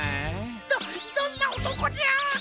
どどんなおとこじゃ！？